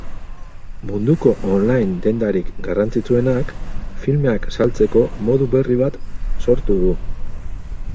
Munduko on-line dendarik garrantzitsuenak filmeak saltzeko modu berri bat sortu du.